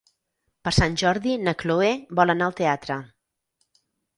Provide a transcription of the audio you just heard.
Per Sant Jordi na Chloé vol anar al teatre.